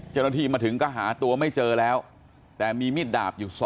เจ้าหน้าที่มาถึงก็หาตัวไม่เจอแล้วแต่มีมีดดาบอยู่๒